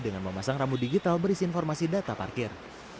dengan memasang rambu digital berisi informasi data parkir